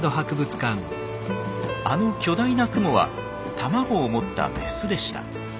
あの巨大なクモは卵を持ったメスでした。